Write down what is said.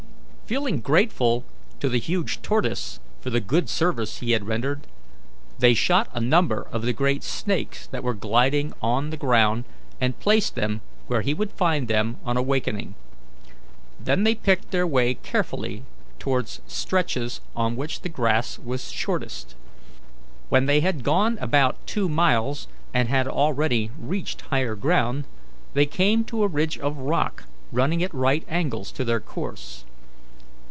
Feeling grateful to the huge tortoise for the good service he had rendered, they shot a number of the great snakes that were gliding about on the ground, and placed them where he would find them on awaiting. They then picked their way carefully towards stretches on which the grass was shortest. When they had gone about two miles, and had already reached higher ground, they came to a ridge of rock running at right angles to their course.